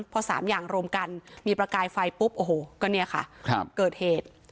พอ๓อย่างรวมกันมีประกายไฟปุ๊บโอ้โหก็เนี่ยค่ะเกิดเหตุ